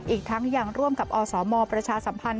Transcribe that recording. อีกทั้งยังร่วมกับอสมประชาสัมพันธ